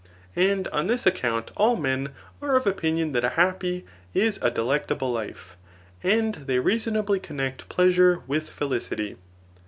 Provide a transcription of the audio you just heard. And on this account all men are of opinion that a happy is a delectable life, and they reasonably connect pleasure with felicity.